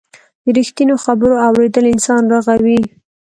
د رښتینو خبرو اورېدل انسان رغوي.